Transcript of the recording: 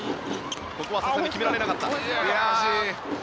ここは決められなかった。